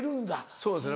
そうですね